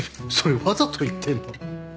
それわざと言ってんの？